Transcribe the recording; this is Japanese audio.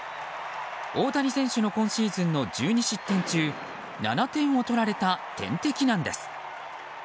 大谷選手の今シーズンの１２失点中７点をとられた天敵なんです。